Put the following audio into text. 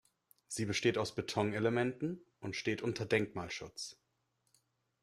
Sie besteht aus Betonelementen und steht unter Denkmalschutz.